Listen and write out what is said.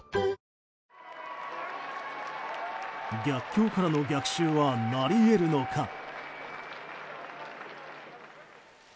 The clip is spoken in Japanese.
逆境からの逆襲はなり得るのか。